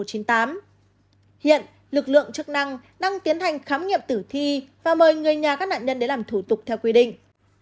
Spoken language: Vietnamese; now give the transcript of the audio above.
hiện lực lượng chức năng đang tiến hành khám nghiệm tử thi và mời người nhà các nạn nhân đến làm thủ tục theo quy định